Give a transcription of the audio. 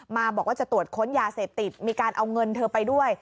มาบอกว่าจะตรวจค้นยาเสพติดมีการเอาเงินเธอไปด้วย